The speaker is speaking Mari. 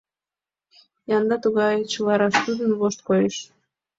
Янда тугай: чыла раш тудын вошт коеш.